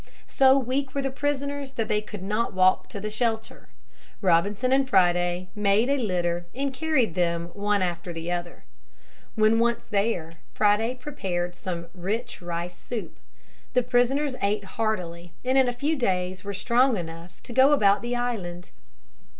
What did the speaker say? So weak were the prisoners that they could not walk to the shelter. Robinson and Friday made a litter and carried them one after the other. When once there, Friday prepared some rich rice soup. The prisoners ate heartily and in a few days were strong enough to go about the island.